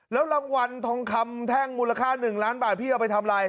แล้วรางวัลทองคำแท่งมูลค่า๑ล้านบาทพี่เอาไปทำอะไร